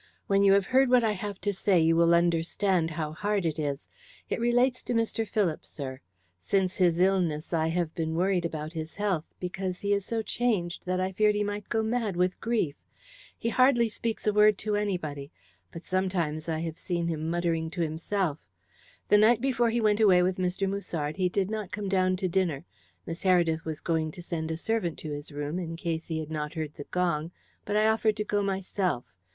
When you have heard what I have to say you will understand how hard it is. It relates to Mr. Philip, sir. Since his illness I have been worried about his health, because he is so changed that I feared he might go mad with grief. He hardly speaks a word to anybody, but sometimes I have seen him muttering to himself. The night before he went away with Mr. Musard he did not come down to dinner. Miss Heredith was going to send a servant to his room in case he had not heard the gong, but I offered to go myself.